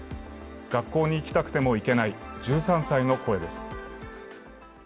学校に行きたくても行けない１３歳の声です。